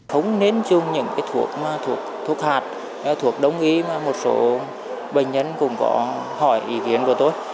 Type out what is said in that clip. không nên dùng những thuốc hạt thuốc đông y mà một số bệnh nhân cũng có hỏi ý kiến của tôi